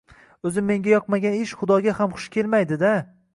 O`zi menga yoqmagan ish Xudoga ham xush kelmaydi-da